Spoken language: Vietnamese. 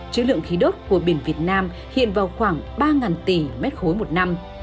chữ lượng khí đốt của biển việt nam hiện vào khoảng ba tỷ m ba một năm